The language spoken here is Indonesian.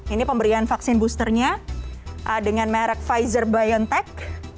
ini pemberian vaksin boosternya dengan merek pfizer biontech